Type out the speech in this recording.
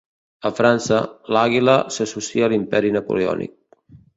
A França, l'àguila s'associa a l'imperi napoleònic.